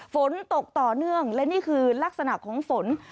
ฝนตกต่อเนื่องและนี่คือลักษณะของฝน